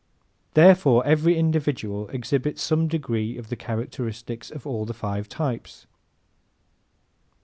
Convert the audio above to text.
Therefore every individual exhibits to some degree the characteristics of all the five types.